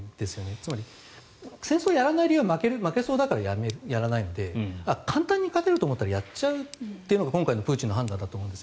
つまり、戦争をやらない理由は負けそうだからやらないので簡単に勝てると思ったらやっちゃうというのが今回のプーチンの判断だと思うんです。